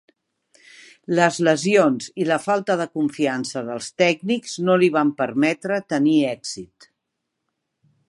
Les lesions i la falta de confiança dels tècnics no li van permetre tenir èxit.